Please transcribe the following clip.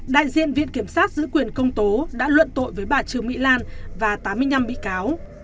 đại diện viện kiểm sát giữ quyền công tố đã luận tội với bà trương mỹ lan và tám mươi năm bị cáo